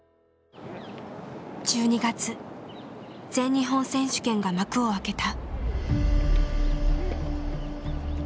１２月全日本選手権が幕を開けた。